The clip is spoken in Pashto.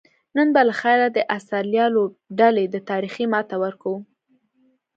نن به لخیره د آسترالیا لوبډلې ته تاریخي ماته ورکوو